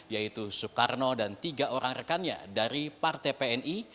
yaitu soekarno dan tiga orang rekannya dari partai pni